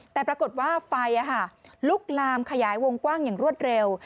แต่ปรากฏว่าไฟลุกลามขยายวงกว้างอย่างรวดเร็ว